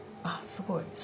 あっすごい。